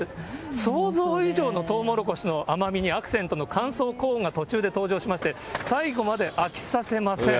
想像以上のトウモロコシの甘みにアクセントの乾燥コーンが途中で登場して、最後まで飽きさせません。